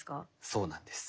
そうなんです。